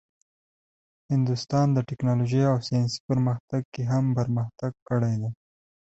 هندوستان د ټیکنالوژۍ او ساینسي پرمختګ کې هم پرمختګ کړی دی.